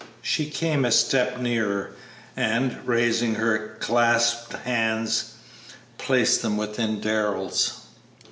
She came a step nearer, and, raising her clasped hands, placed them within Darrell's.